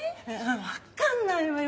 分っかんないわよ。